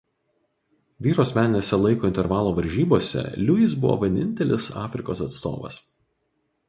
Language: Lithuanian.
Vyrų asmeninėse laiko intervalo varžybose Lewis buvo vienintelis Afrikos atstovas.